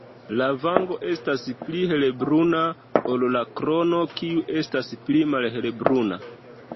La vango estas pli helbruna ol la krono kiu estas pli malhelbruna.